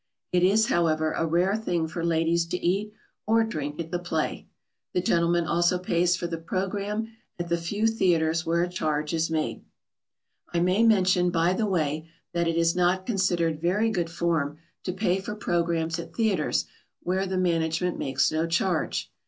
It is, however, a rare thing for ladies to eat or drink at the play. The gentleman also pays for the programme at the few theatres where a charge is made. [Sidenote: On unnecessary payment for programmes.] I may mention, by the way, that it is not considered very good form to pay for programmes at theatres where the management makes no charge.